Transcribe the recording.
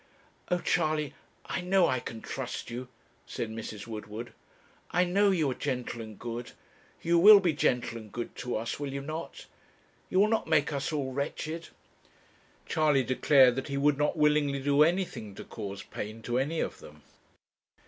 'Oh! Charley I know I can trust you,' said Mrs. Woodward. 'I know you are gentle and good. You will be gentle and good to us, will you not? you will not make us all wretched?' Charley declared that he would not willingly do anything to cause pain to any of them.